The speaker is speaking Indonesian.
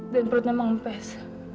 dan perutnya mengempes